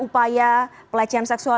upaya pelecehan seksual